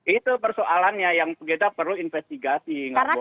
itu persoalannya yang kita perlu investigasi